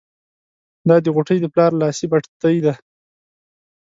دا د غوټۍ د پلار لاسي بتۍ ده.